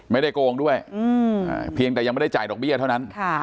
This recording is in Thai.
โกงด้วยเพียงแต่ยังไม่ได้จ่ายดอกเบี้ยเท่านั้น